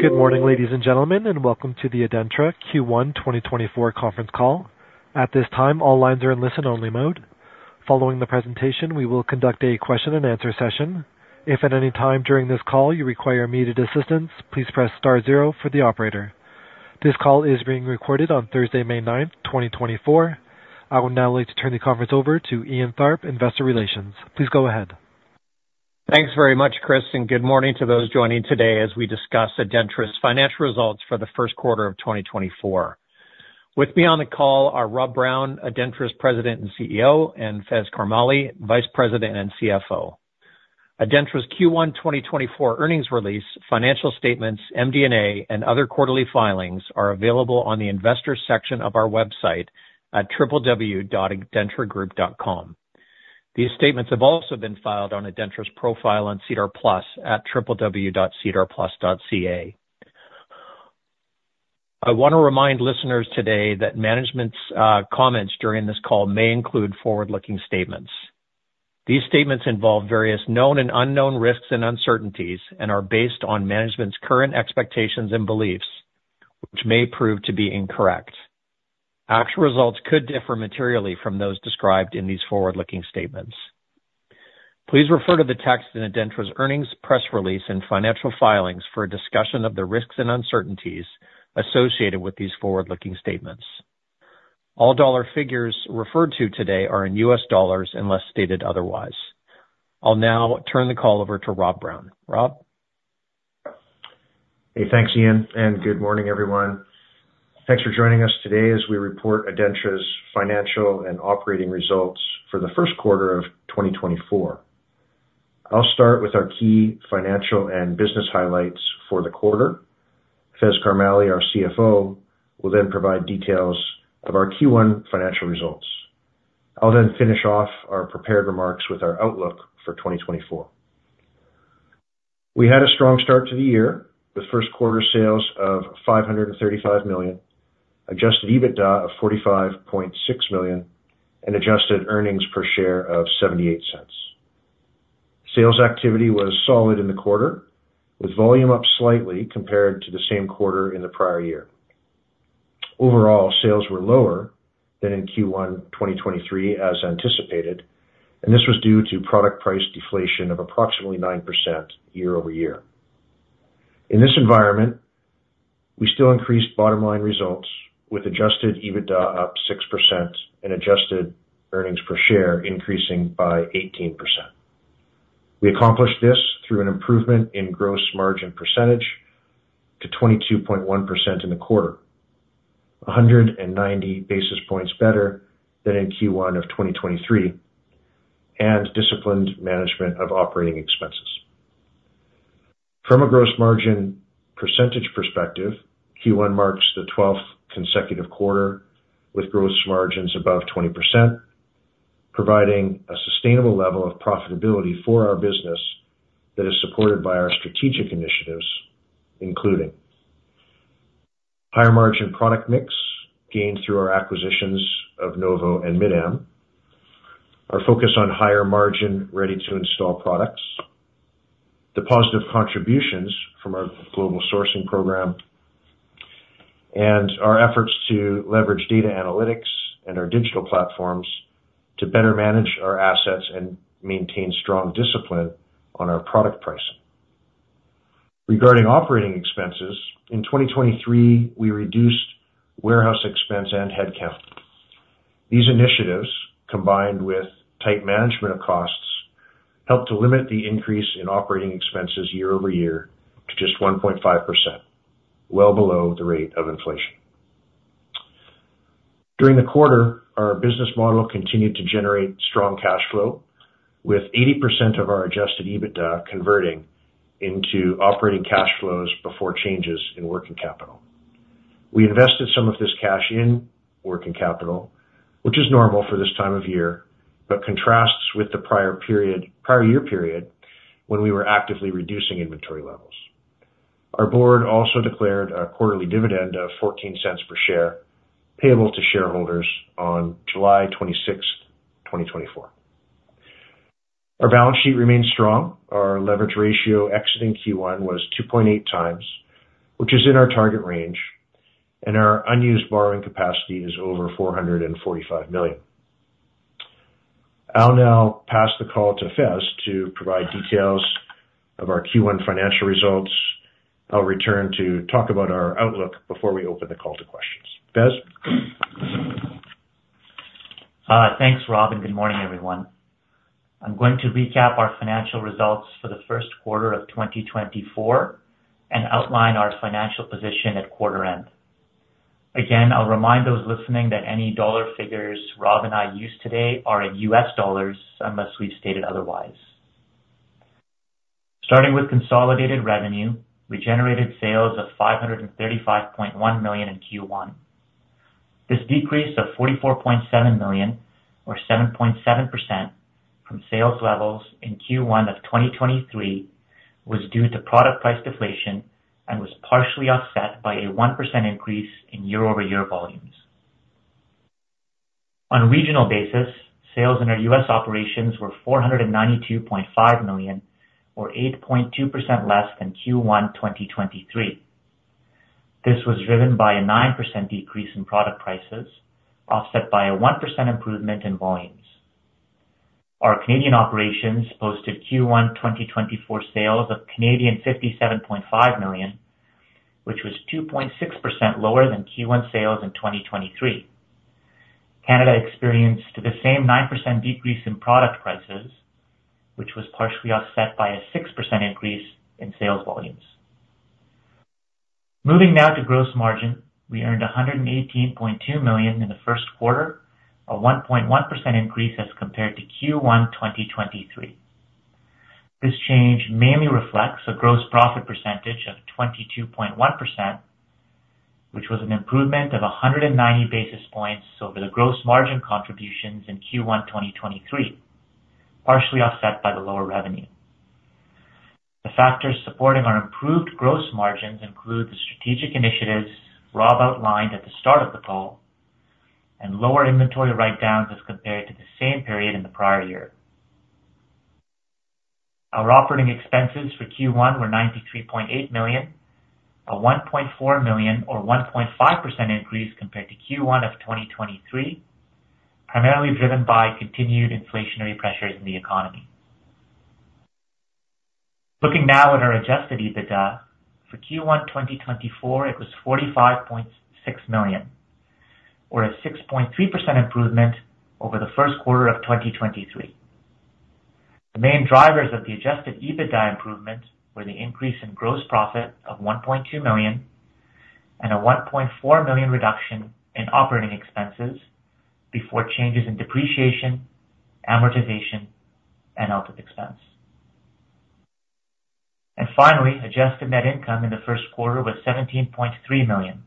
Good morning, ladies and gentlemen, and welcome to the ADENTRA Q1 2024 conference call. At this time, all lines are in listen-only mode. Following the presentation, we will conduct a question-and-answer session. If at any time during this call you require immediate assistance, please press star zero for the operator. This call is being recorded on Thursday, May 9, 2024. I would now like to turn the conference over to Ian Tharp, Investor Relations. Please go ahead. Thanks very much, Chris, and good morning to those joining today as we discuss ADENTRA's financial results for the first quarter of 2024. With me on the call are Rob Brown, ADENTRA's President and CEO, and Faiz Karmali, Vice President and CFO. ADENTRA's Q1 2024 earnings release, financial statements, MD&A, and other quarterly filings are available on the investors section of our website at www.adentragroup.com. These statements have also been filed on ADENTRA's profile on SEDAR+ at www.sedarplus.ca. I want to remind listeners today that management's comments during this call may include forward-looking statements. These statements involve various known and unknown risks and uncertainties and are based on management's current expectations and beliefs, which may prove to be incorrect. Actual results could differ materially from those described in these forward-looking statements. Please refer to the text in ADENTRA's earnings press release and financial filings for a discussion of the risks and uncertainties associated with these forward-looking statements. All dollar figures referred to today are in US dollars, unless stated otherwise. I'll now turn the call over to Rob Brown. Rob? Hey, thanks, Ian, and good morning, everyone. Thanks for joining us today as we report ADENTRA's financial and operating results for the first quarter of 2024. I'll start with our key financial and business highlights for the quarter. Faiz Karmali, our CFO, will then provide details of our Q1 financial results. I'll then finish off our prepared remarks with our outlook for 2024. We had a strong start to the year, with first quarter sales of $535 million, adjusted EBITDA of $45.6 million, and adjusted earnings per share of $0.78. Sales activity was solid in the quarter, with volume up slightly compared to the same quarter in the prior year. Overall, sales were lower than in Q1 2023, as anticipated, and this was due to product price deflation of approximately 9% year-over-year. In this environment, we still increased bottom line results, with adjusted EBITDA up 6% and adjusted earnings per share increasing by 18%. We accomplished this through an improvement in gross margin percentage to 22.1% in the quarter, 100 basis points better than in Q1 of 2023, and disciplined management of operating expenses. From a gross margin percentage perspective, Q1 marks the 12th consecutive quarter, with gross margins above 20%, providing a sustainable level of profitability for our business that is supported by our strategic initiatives, including higher margin product mix gained through our acquisitions of Novo and Mid-Am, our focus on higher margin, ready-to-install products, the positive contributions from our global sourcing program, and our efforts to leverage data analytics and our digital platforms to better manage our assets and maintain strong discipline on our product pricing. Regarding operating expenses, in 2023, we reduced warehouse expense and headcount. These initiatives, combined with tight management of costs, helped to limit the increase in operating expenses year-over-year to just 1.5%, well below the rate of inflation. During the quarter, our business model continued to generate strong cash flow, with 80% of our Adjusted EBITDA converting into operating cash flows before changes in working capital. We invested some of this cash in working capital, which is normal for this time of year, but contrasts with the prior period, prior year period when we were actively reducing inventory levels. Our board also declared a quarterly dividend of $0.14 per share, payable to shareholders on July 26, 2024. Our balance sheet remains strong. Our leverage ratio exiting Q1 was 2.8 times, which is in our target range, and our unused borrowing capacity is over $ 445 million. I'll now pass the call to Faiz to provide details of our Q1 financial results. I'll return to talk about our outlook before we open the call to questions. Faiz? Thanks, Rob, and good morning, everyone. I'm going to recap our financial results for the first quarter of 2024 and outline our financial position at quarter end. Again, I'll remind those listening that any dollar figures Rob and I use today are in US dollars, unless we've stated otherwise. Starting with consolidated revenue, we generated sales of $535.1 million in Q1. This decrease of $44.7 million or 7.7% from sales levels in Q1 of 2023 was due to product price deflation and was partially offset by a 1% increase in year-over-year volumes.... On a regional basis, sales in our US operations were $492.5 million, or 8.2% less than Q1 2023. This was driven by a 9% decrease in product prices, offset by a 1% improvement in volumes. Our Canadian operations posted Q1 2024 sales of $ 57.5 million, which was 2.6% lower than Q1 sales in 2023. Canada experienced the same 9% decrease in product prices, which was partially offset by a 6% increase in sales volumes. Moving now to gross margin. We earned $ 118.2 million in the first quarter, a 1.1% increase as compared to Q1 2023. This change mainly reflects a gross profit percentage of 22.1%, which was an improvement of 190 basis points over the gross margin contributions in Q1 2023, partially offset by the lower revenue. The factors supporting our improved gross margins include the strategic initiatives Rob outlined at the start of the call, and lower inventory write-downs as compared to the same period in the prior year. Our operating expenses for Q1 were $ 93.8 million, a $ 1.4 million or 1.5% increase compared to Q1 of 2023, primarily driven by continued inflationary pressures in the economy. Looking now at our adjusted EBITDA. For Q1 2024, it was $ 45.6 million, or a 6.3% improvement over the first quarter of 2023. The main drivers of the adjusted EBITDA improvement were the increase in gross profit of $ 1.2 million and a $ 1.4 million reduction in operating expenses before changes in depreciation, amortization, and other expenses. Finally, adjusted net income in the first quarter was $ 17.3 million,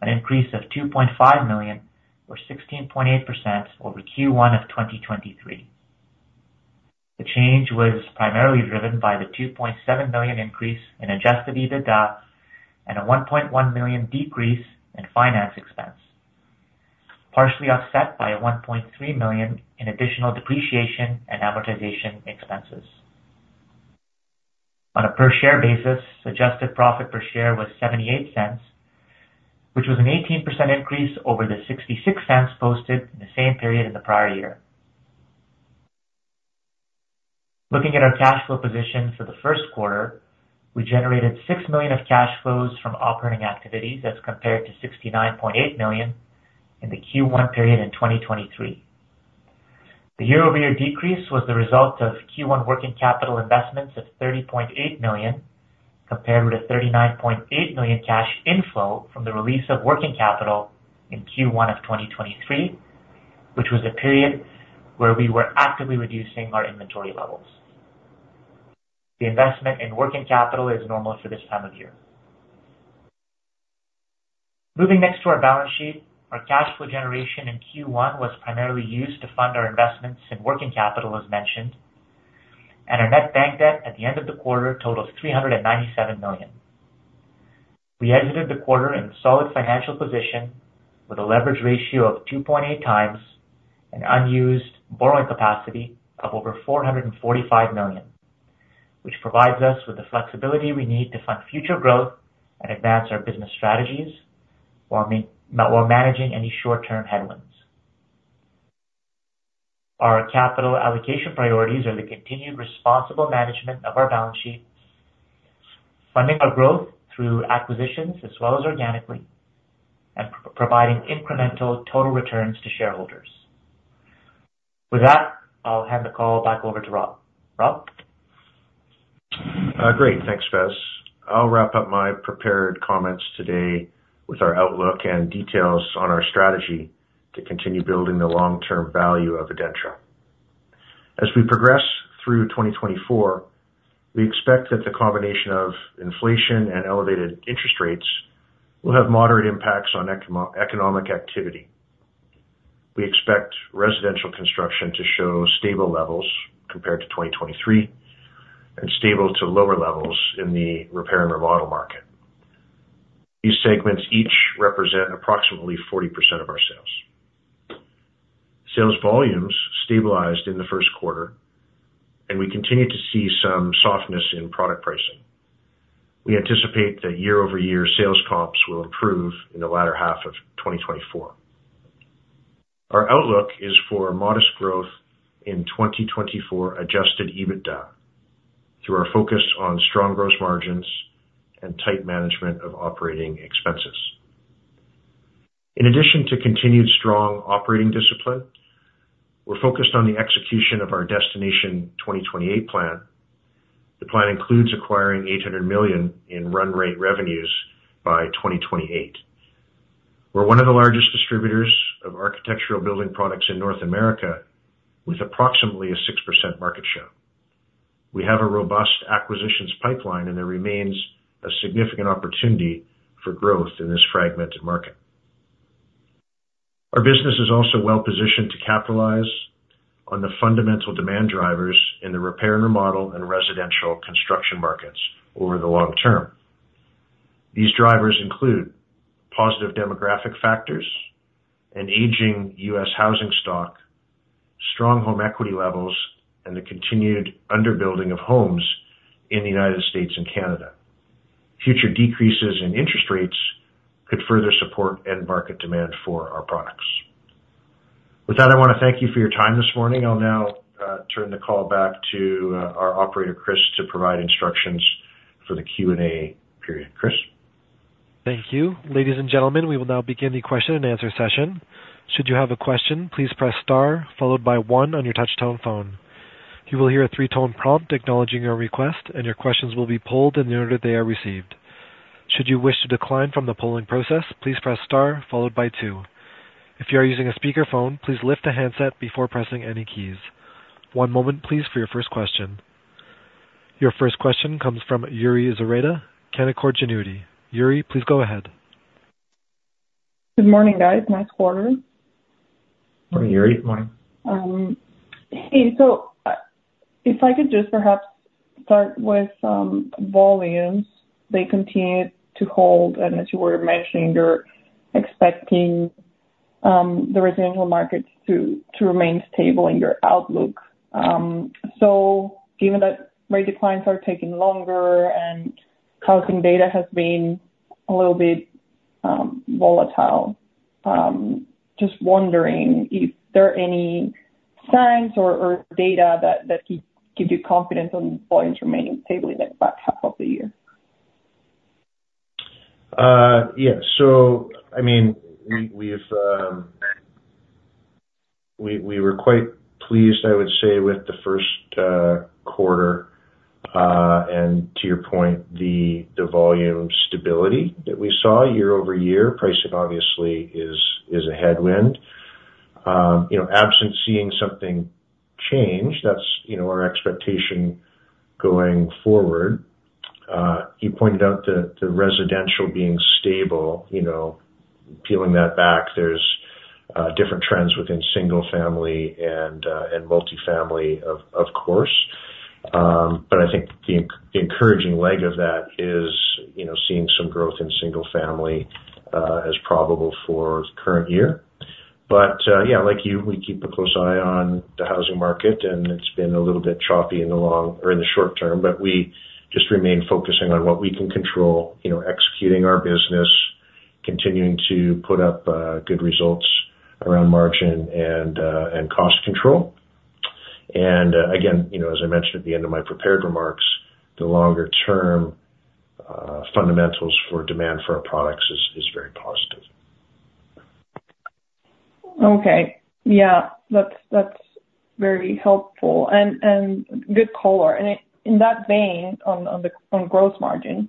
an increase of $ 2.5 million, or 16.8%, over Q1 of 2023. The change was primarily driven by the $ 2.7 million increase in Adjusted EBITDA and a $ 1.1 million decrease in finance expense, partially offset by a $ 1.3 million in additional depreciation and amortization expenses. On a per-share basis, adjusted profit per share was $ 0.78, which was an 18% increase over the $ 0.66 posted in the same period in the prior year. Looking at our cash flow position for the first quarter, we generated $ 6 million of cash flows from operating activities, as compared to $ 69.8 million in the Q1 period in 2023. The year-over-year decrease was the result of Q1 working capital investments of $ 30.8 million, compared with a $ 39.8 million cash inflow from the release of working capital in Q1 of 2023, which was a period where we were actively reducing our inventory levels. The investment in working capital is normal for this time of year. Moving next to our balance sheet. Our cash flow generation in Q1 was primarily used to fund our investments in working capital, as mentioned, and our net bank debt at the end of the quarter totaled $397 million. We exited the quarter in a solid financial position with a leverage ratio of 2.8x and unused borrowing capacity of over $445 million, which provides us with the flexibility we need to fund future growth and advance our business strategies while managing any short-term headwinds. Our capital allocation priorities are the continued responsible management of our balance sheet, funding our growth through acquisitions, as well as organically, and providing incremental total returns to shareholders. With that, I'll hand the call back over to Rob. Rob? Great. Thanks, Faiz. I'll wrap up my prepared comments today with our outlook and details on our strategy to continue building the long-term value of ADENTRA. As we progress through 2024, we expect that the combination of inflation and elevated interest rates will have moderate impacts on economic activity. We expect residential construction to show stable levels compared to 2023 and stable to lower levels in the repair and remodel market. These segments each represent approximately 40% of our sales. Sales volumes stabilized in the first quarter, and we continued to see some softness in product pricing. We anticipate that year-over-year sales comps will improve in the latter half of 2024. Our outlook is for modest growth in 2024 Adjusted EBITDA, through our focus on strong gross margins and tight management of operating expenses. In addition to continued strong operating discipline, we're focused on the execution of our Destination 2028 plan. The plan includes acquiring $800 million in run rate revenues by 2028. We're one of the largest distributors of architectural building products in North America, with approximately a 6% market share. We have a robust acquisitions pipeline, and there remains a significant opportunity for growth in this fragmented market. Our business is also well positioned to capitalize on the fundamental demand drivers in the repair and remodel and residential construction markets over the long term. These drivers include positive demographic factors, an aging U.S. housing stock, strong home equity levels, and the continued under-building of homes in the United States and Canada. Future decreases in interest rates could further support end market demand for our products. With that, I want to thank you for your time this morning. I'll now turn the call back to our operator, Chris, to provide instructions for the Q&A period. Chris? Thank you. Ladies and gentlemen, we will now begin the question and answer session. Should you have a question, please press star, followed by one on your touch-tone phone. You will hear a three-tone prompt acknowledging your request, and your questions will be polled in the order they are received. Should you wish to decline from the polling process, please press star followed by two. If you are using a speakerphone, please lift the handset before pressing any keys. One moment, please, for your first question. Your first question comes from Yuri Lynk, Canaccord Genuity. Yuri, please go ahead. Good morning, guys. Nice quarter. Morning, Yuri. Morning. Hey, so, if I could just perhaps start with volumes. They continued to hold, and as you were mentioning, you're expecting the residential markets to remain stable in your outlook. So given that rate declines are taking longer and housing data has been a little bit volatile, just wondering if there are any signs or data that keep you confident on volumes remaining stable in the back half of the year? Yeah. So, I mean, we were quite pleased, I would say, with the first quarter. And to your point, the volume stability that we saw year-over-year, pricing obviously is a headwind. You know, absent seeing something change, that's our expectation going forward. You pointed out the residential being stable, you know, peeling that back, there's different trends within single family and multifamily, of course. But I think the encouraging leg of that is, you know, seeing some growth in single family, as probable for current year. Yeah, like you, we keep a close eye on the housing market, and it's been a little bit choppy in the long or in the short term, but we just remain focusing on what we can control, you know, executing our business, continuing to put up good results around margin and cost control. Again, you know, as I mentioned at the end of my prepared remarks, the longer term fundamentals for demand for our products is very positive. Okay. Yeah, that's, that's very helpful and good color. And in that vein, on the gross margin,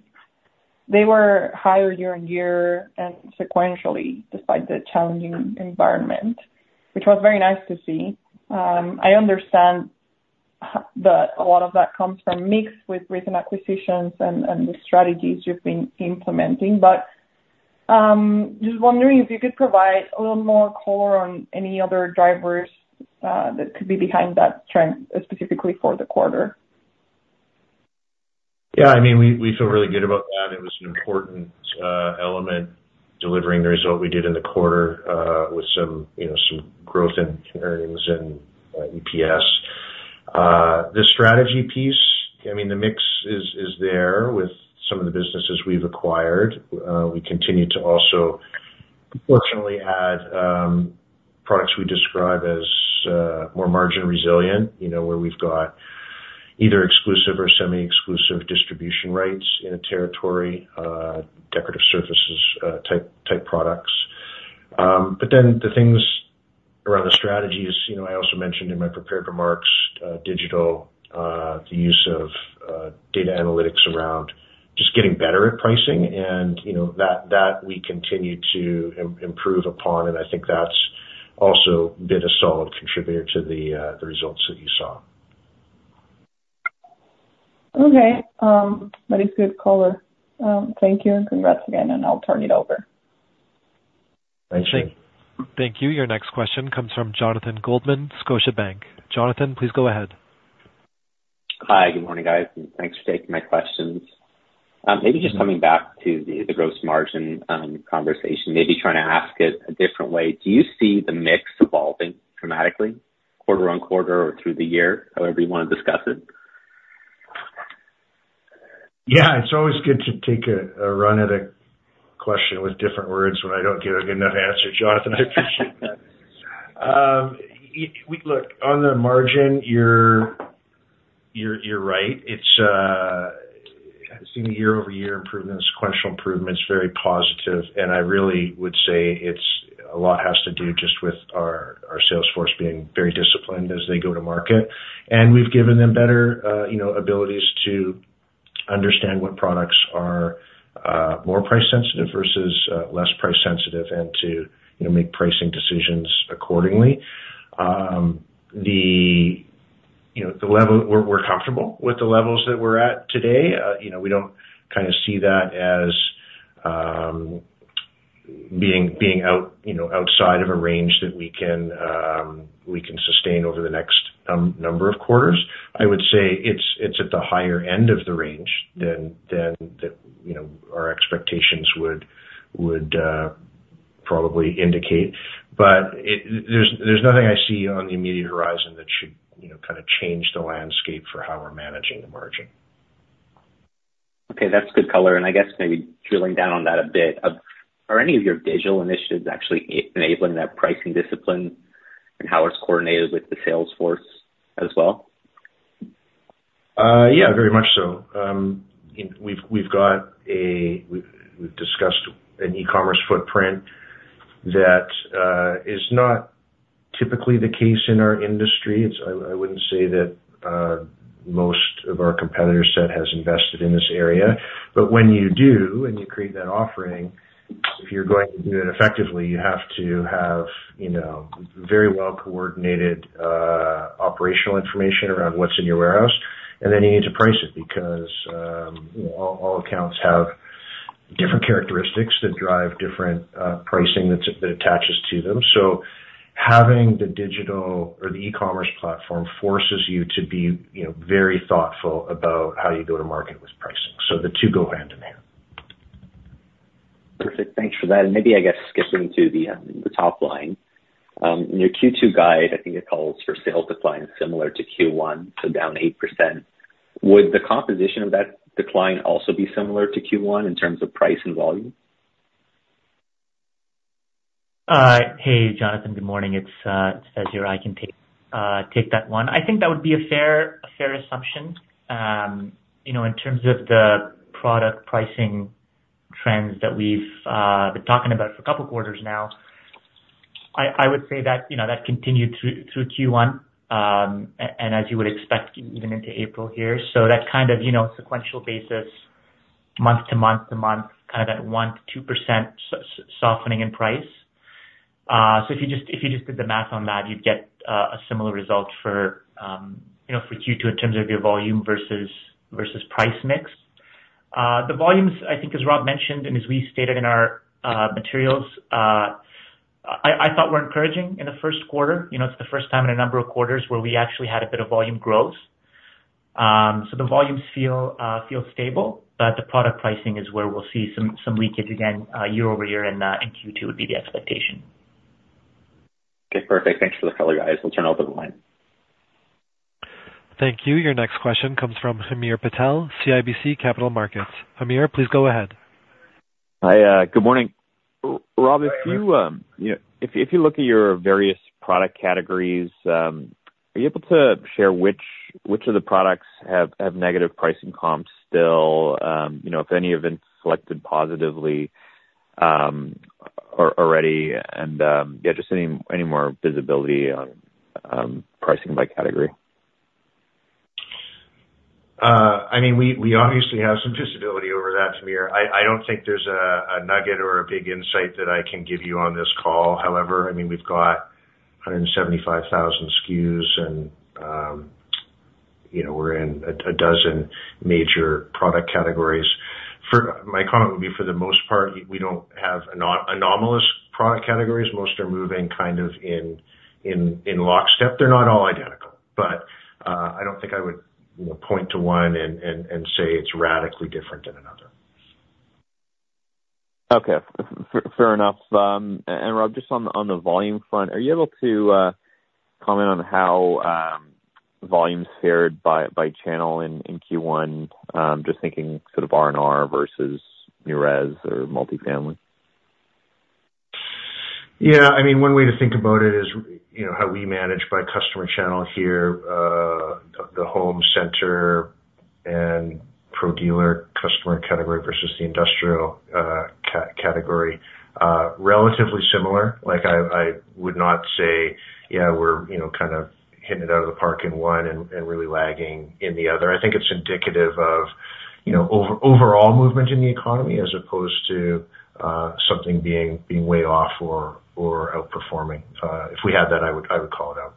they were higher year-over-year and sequentially, despite the challenging environment, which was very nice to see. I understand that a lot of that comes from mix with recent acquisitions and the strategies you've been implementing. But just wondering if you could provide a little more color on any other drivers that could be behind that trend specifically for the quarter. Yeah, I mean, we feel really good about that. It was an important element, delivering the result we did in the quarter, with some, you know, some growth in earnings and EPS. The strategy piece, I mean, the mix is there with some of the businesses we've acquired. We continue to also fortunately add products we describe as more margin resilient, you know, where we've got either exclusive or semi-exclusive distribution rights in a territory, decorative surfaces, type products. But then the things around the strategies, you know, I also mentioned in my prepared remarks, digital, the use of data analytics around just getting better at pricing and, you know, that we continue to improve upon, and I think that's also been a solid contributor to the results that you saw. Okay. That is good color. Thank you, and congrats again, and I'll turn it over. Thank you. Thank you. Your next question comes from Jonathan Goldman, Scotiabank. Jonathan, please go ahead. Hi, good morning, guys, and thanks for taking my questions. Maybe just coming back to the, the gross margin, conversation, maybe trying to ask it a different way. Do you see the mix evolving dramatically quarter on quarter or through the year, however you want to discuss it? Yeah, it's always good to take a run at a question with different words when I don't give a good enough answer, Jonathan. I appreciate that. Look, on the margin, you're right. It's seeing a year-over-year improvement, sequential improvement is very positive, and I really would say it's... A lot has to do just with our sales force being very disciplined as they go to market. And we've given them better you know abilities to understand what products are more price sensitive versus less price sensitive, and to you know make pricing decisions accordingly. You know, the level we're comfortable with the levels that we're at today. You know, we don't kind of see that as... being out, you know, outside of a range that we can sustain over the next number of quarters. I would say it's at the higher end of the range than our expectations would probably indicate. But there's nothing I see on the immediate horizon that should, you know, kind of change the landscape for how we're managing the margin. Okay, that's good color, and I guess maybe drilling down on that a bit. Are any of your digital initiatives actually enabling that pricing discipline and how it's coordinated with the sales force as well? Yeah, very much so. We've discussed an e-commerce footprint that is not typically the case in our industry. It's, I wouldn't say that most of our competitor set has invested in this area. But when you do, and you create that offering, if you're going to do it effectively, you have to have, you know, very well-coordinated operational information around what's in your warehouse. And then you need to price it, because, you know, all accounts have different characteristics that drive different pricing that attaches to them. So having the digital or the e-commerce platform forces you to be, you know, very thoughtful about how you go to market with pricing, so the two go hand in hand. Perfect. Thanks for that. And maybe, I guess, skipping to the top line. Your Q2 guide, I think it calls for sales decline similar to Q1, so down 8%. Would the composition of that decline also be similar to Q1 in terms of price and volume? Hey, Jonathan, good morning. It's Faiz. I can take that one. I think that would be a fair assumption. You know, in terms of the product pricing trends that we've been talking about for a couple quarters now, I would say that, you know, that continued through Q1. And as you would expect, even into April here. So that's kind of, you know, sequential basis, month to month to month, kind of that 1%-2% softening in price. So if you just did the math on that, you'd get a similar result for, you know, for Q2 in terms of your volume versus price mix. The volumes, I think, as Rob mentioned, and as we stated in our materials, I thought were encouraging in the first quarter. You know, it's the first time in a number of quarters where we actually had a bit of volume growth. So the volumes feel stable, but the product pricing is where we'll see some leakage again year-over-year, and in Q2 would be the expectation. Okay, perfect. Thanks for the color, guys. I'll turn over the line. Thank you. Your next question comes from Hamir Patel, CIBC Capital Markets. Ameer, please go ahead. Hi, good morning. Rob, if you look at your various product categories, are you able to share which of the products have negative pricing comps still? You know, if any have been selected positively, already, and just any more visibility on pricing by category? I mean, we obviously have some visibility over that, Ameer. I don't think there's a nugget or a big insight that I can give you on this call. However, I mean, we've got 175,000 SKUs and, you know, we're in a dozen major product categories. For my comment would be, for the most part, we don't have anomalous product categories. Most are moving kind of in lockstep. They're not all identical. But I don't think I would, you know, point to one and say it's radically different than another. Okay, fair enough. And Rob, just on the volume front, are you able to comment on how volume's fared by channel in Q1? Just thinking sort of R&R versus new res or multifamily. Yeah, I mean, one way to think about it is, you know, how we manage by customer channel here, the Home Center and Pro Dealer customer category versus the industrial customer category. Relatively similar, like I would not say, yeah, we're, you know, kind of hitting it out of the park in one and really lagging in the other. I think it's indicative of, you know, overall movement in the economy, as opposed to something being way off or outperforming. If we had that, I would call it out.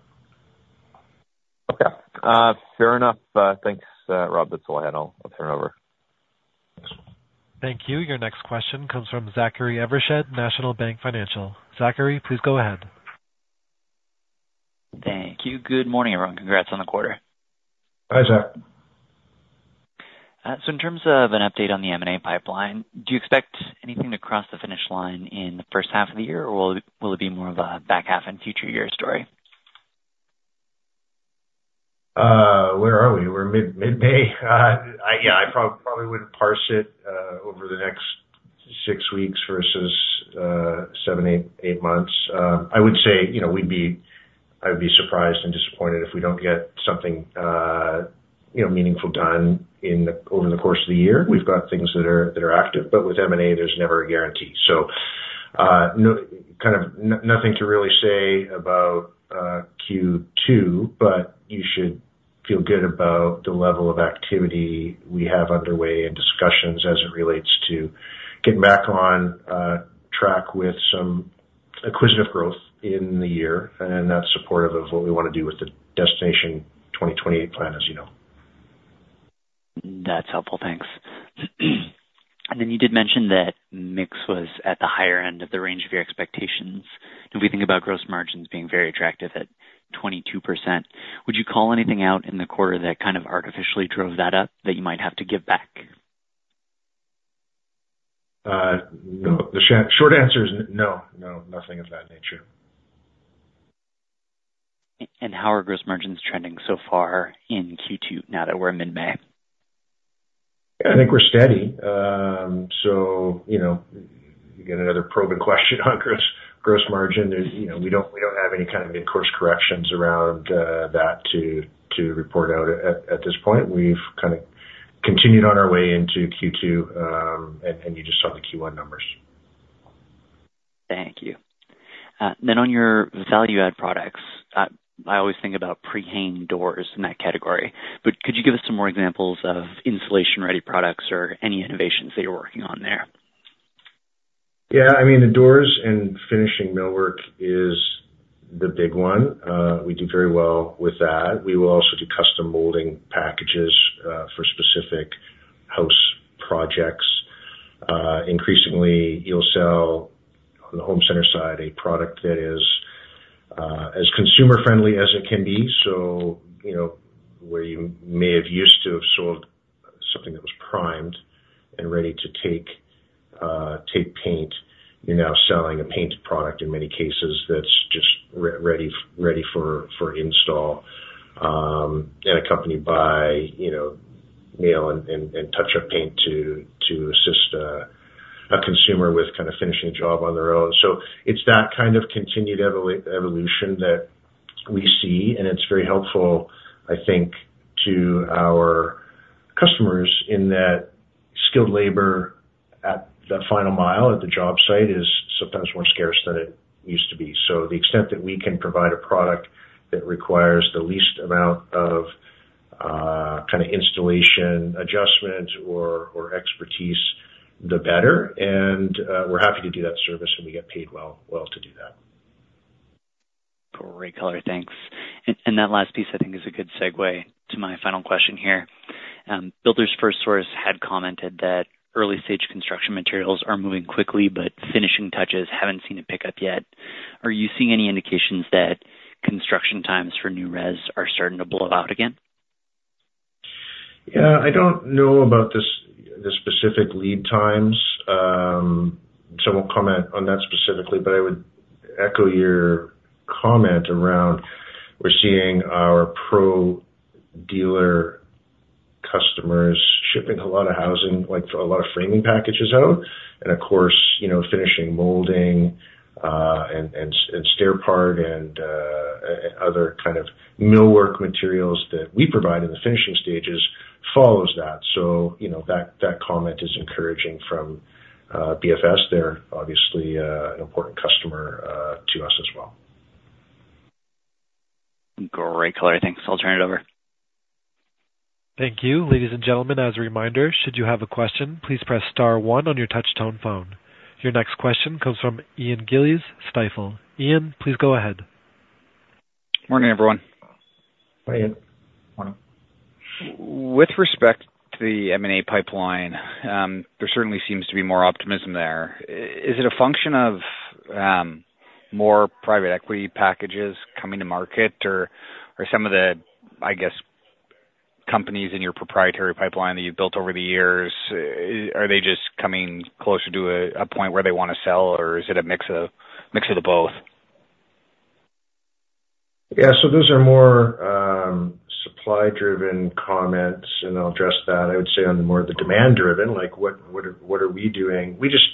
Okay, fair enough. Thanks, Rob. That's all I had. I'll turn over. Thank you. Your next question comes from Zachary Evershed, National Bank Financial. Zachary, please go ahead. Thank you. Good morning, everyone. Congrats on the quarter. Hi, Zach. So in terms of an update on the M&A pipeline, do you expect anything to cross the finish line in the first half of the year, or will it be more of a back half and future year story? Where are we? We're mid-May. Yeah, I probably would parse it over the next six weeks versus seven or eight months. I would say, you know, I'd be surprised and disappointed if we don't get something, you know, meaningful done over the course of the year. We've got things that are active, but with M&A, there's never a guarantee. So, no, kind of nothing to really say about Q2, but you should feel good about the level of activity we have underway and discussions as it relates to getting back on track with some acquisitive growth in the year, and that's supportive of what we want to do with the Destination 2028 plan, as you know. .That's helpful, thanks. And then you did mention that mix was at the higher end of the range of your expectations, and we think about gross margins being very attractive at 22%. Would you call anything out in the quarter that kind of artificially drove that up, that you might have to give back? No, the short answer is no. No, nothing of that nature. How are gross margins trending so far in Q2, now that we're in mid-May? I think we're steady. So, you know, you get another probing question on gross, gross margin. You know, we don't, we don't have any kind of mid-course corrections around that to report out at this point. We've kind of continued on our way into Q2, and you just saw the Q1 numbers. Thank you. Then on your value add products, I always think about pre-hung doors in that category, but could you give us some more examples of installation-ready products or any innovations that you're working on there? Yeah, I mean, the doors and finishing millwork is the big one. We do very well with that. We will also do custom molding packages for specific house projects. Increasingly, you'll sell, on the home center side, a product that is as consumer friendly as it can be. So, you know, where you may have used to have sold something that was primed and ready to take paint, you're now selling a painted product in many cases that's just ready for install and accompanied by, you know, nails and touch-up paint to assist a consumer with kind of finishing a job on their own. So it's that kind of continued evolution that we see, and it's very helpful, I think, to our customers in that skilled labor at the final mile, at the job site, is sometimes more scarce than it used to be. So the extent that we can provide a product that requires the least amount of kind of installation, adjustment, or expertise, the better. And we're happy to do that service, and we get paid well to do that. Great, color. Thanks. And that last piece, I think, is a good segue to my final question here. Builders FirstSource had commented that early stage construction materials are moving quickly, but finishing touches haven't seen a pickup yet. Are you seeing any indications that construction times for new res are starting to blow out again? Yeah, I don't know about the specific lead times. So, I won't comment on that specifically, but I would echo your comment around we're seeing our pro dealer customers shipping a lot of housing, like, a lot of framing packages out. And of course, you know, finishing molding, and stair parts and other kind of millwork materials that we provide in the finishing stages follows that. So, you know, that comment is encouraging from BFS. They're obviously an important customer to us as well. Great, color. Thanks. I'll turn it over. Thank you. Ladies and gentlemen, as a reminder, should you have a question, please press star one on your touch tone phone. Your next question comes from Ian Gillies, Stifel. Ian, please go ahead. Morning, everyone. Morning. Morning. With respect to the M&A pipeline, there certainly seems to be more optimism there. Is it a function of more private equity packages coming to market, or some of the, I guess, companies in your proprietary pipeline that you've built over the years, are they just coming closer to a point where they wanna sell, or is it a mix of both? Yeah, so those are more supply-driven comments, and I'll address that. I would say on the more of the demand-driven, like, what are we doing? We just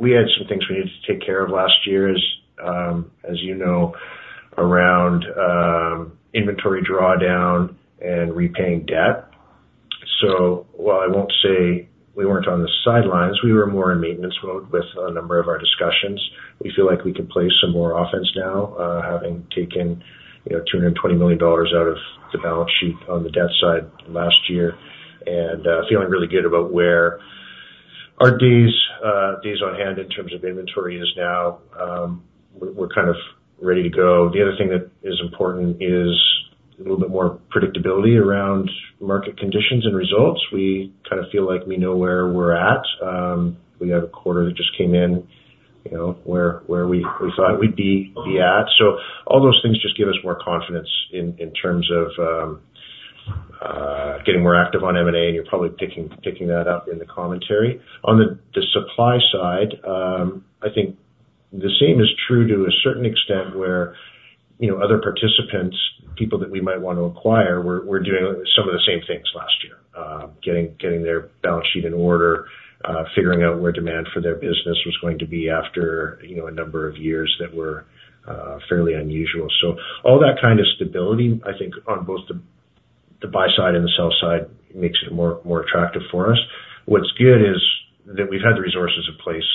had some things we needed to take care of last year, as you know, around inventory drawdown and repaying debt. So while I won't say we weren't on the sidelines, we were more in maintenance mode with a number of our discussions. We feel like we can play some more offense now, having taken, you know, $ 220 million out of the balance sheet on the debt side last year, and feeling really good about where our days on hand, in terms of inventory is now. We're kind of ready to go. The other thing that is important is a little bit more predictability around market conditions and results. We kind of feel like we know where we're at. We had a quarter that just came in, you know, where we thought we'd be at. So all those things just give us more confidence in terms of getting more active on M&A, and you're probably picking that up in the commentary. On the supply side, I think the same is true to a certain extent, where, you know, other participants, people that we might want to acquire, were doing some of the same things last year. Getting their balance sheet in order, figuring out where demand for their business was going to be after, you know, a number of years that were fairly unusual. So all that kind of stability, I think, on both the buy side and the sell side, makes it more attractive for us. What's good is that we've had the resources in place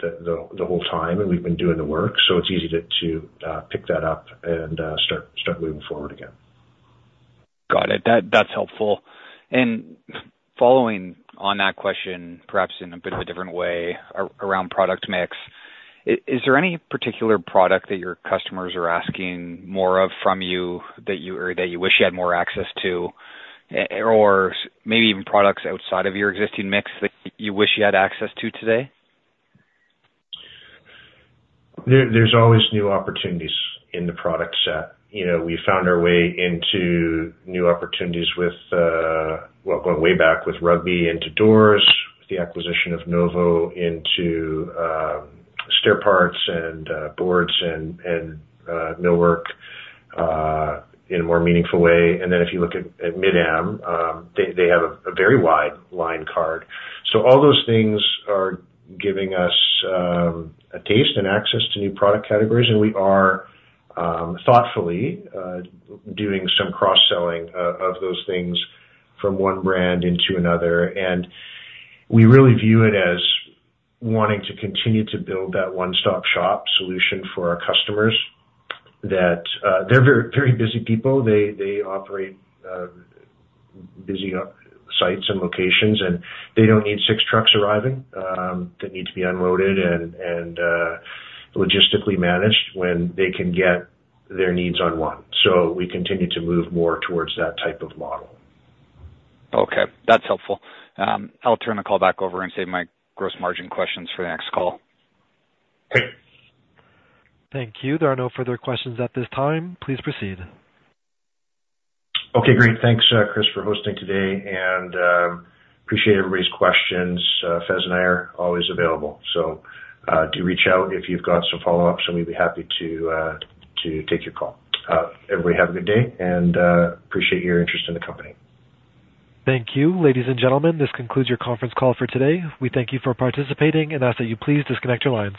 the whole time, and we've been doing the work, so it's easy to pick that up and start moving forward again. Got it. That, that's helpful. And following on that question, perhaps in a bit of a different way, around product mix... Is there any particular product that your customers are asking more of from you that you or that you wish you had more access to, or maybe even products outside of your existing mix that you wish you had access to today? There's always new opportunities in the product set. You know, we found our way into new opportunities with, well, going way back with Rugby into doors, with the acquisition of Novo into stair parts and boards and millwork in a more meaningful way. And then if you look at Mid-Am, they have a very wide line card. So all those things are giving us a taste and access to new product categories, and we are thoughtfully doing some cross-selling of those things from one brand into another. And we really view it as wanting to continue to build that one-stop shop solution for our customers that. They're very, very busy people. They operate busy sites and locations, and they don't need six trucks arriving that need to be unloaded and logistically managed when they can get their needs on one. So we continue to move more towards that type of model. Okay, that's helpful. I'll turn the call back over and save my gross margin questions for the next call. Great. Thank you. There are no further questions at this time. Please proceed. Okay, great. Thanks, Chris, for hosting today, and appreciate everybody's questions. Faiz and I are always available, so do reach out if you've got some follow-ups, and we'd be happy to, to take your call. Everybody have a good day, and appreciate your interest in the company. Thank you. Ladies and gentlemen, this concludes your conference call for today. We thank you for participating and ask that you please disconnect your lines.